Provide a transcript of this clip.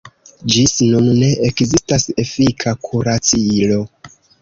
Ĝis nun ne ekzistas efika kuracilo.